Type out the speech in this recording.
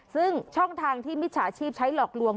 ซึ่งช่องทางที่มิจฉาชีพใช้หลอกลวง